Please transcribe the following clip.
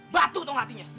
batu tong hatinya